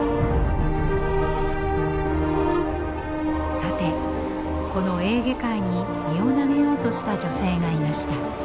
さてこのエーゲ海に身を投げようとした女性がいました。